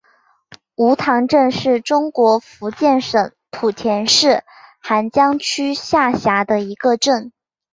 梧塘镇是中国福建省莆田市涵江区下辖的一个镇。